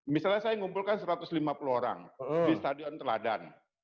misalnya saya ngumpulkan satu ratus lima puluh orang di stadion teladan